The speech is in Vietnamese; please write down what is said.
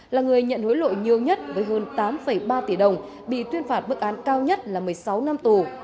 là người nhận hối lộ nhiều nhất với hơn tám ba tỷ đồng bị tuyên phạt bức án cao nhất là một mươi sáu năm tù